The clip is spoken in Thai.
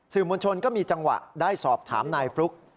มวลชนก็มีจังหวะได้สอบถามนายฟลุ๊ก